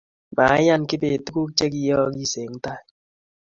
Maiyan kibet tuguk chegiyoogiis eng tai